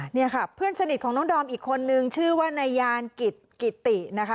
นี่ค่ะเพื่อนสนิทของน้องดอมอีกคนนึงชื่อว่านายานกิจกิตินะคะ